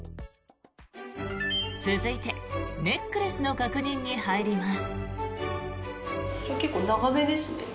続いてネックレスの確認に入ります。